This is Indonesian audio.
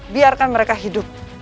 biarkan mereka hidup